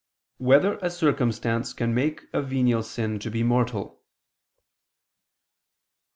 5] Whether a Circumstance Can Make a Venial Sin to Be Mortal?